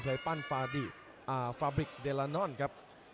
ปั้นฟาดิฟาบริกเดลานอนครับ